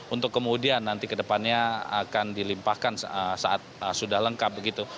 untuk kemudian nanti ke depannya akan dilimpahkan saat sudah lengkap begitu